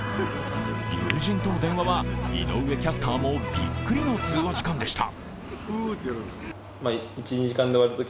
友人との電話は、井上キャスターもびっくりの通話時間でした。